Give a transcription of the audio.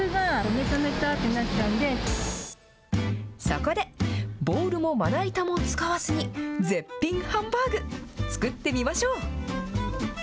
そこで、ボウルもまな板も使わずに、絶品ハンバーグ、作ってみましょう。